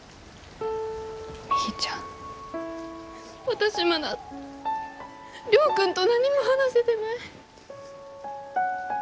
私まだ亮君と何も話せてない。